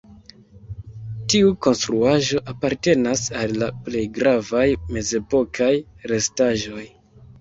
Tiu konstruaĵo apartenas al la plej gravaj mezepokaj restaĵoj.